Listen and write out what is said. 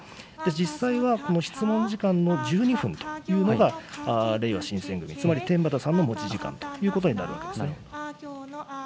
実際は、この質問時間の１２分というのが、れいわ新選組、つまり天畠さんの持ち時間ということになるわけですね。